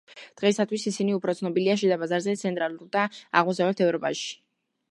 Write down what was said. დღეისთვის ისინი უფრო ცნობილია შიდა ბაზარზე, ცენტრალურ და აღმოსავლეთ ევროპაში.